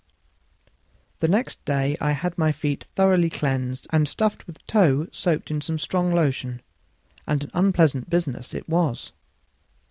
The next day I had my feet thoroughly cleansed and stuffed with tow soaked in some strong lotion; and an unpleasant business it was.